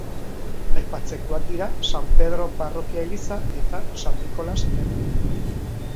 Aipatzekoak dira San Pedro parrokia-eliza eta San Nikolas ermita.